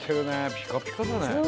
ピカピカだね。